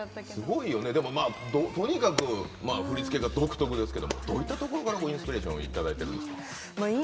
とにかく振り付けが独特ですがどういったところからインスピレーションをいただいているんですか？